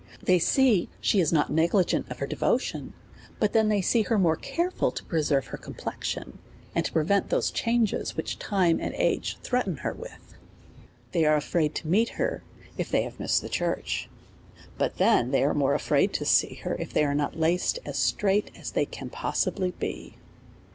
They see she is not negligent of her devo tion, but then they see her more careful to preserve her complexion, and to prevent those changes which time and age threaten her with. DEVOUT AND HOLY LIFE. 251 They are afraid to meet her if they have missed the church ; but then they are more afraid to see her, if they are not laced as straight as they can possibly be.